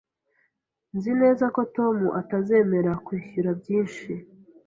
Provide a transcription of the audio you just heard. Nzi neza ko Tom atazemera kwishyura byinshi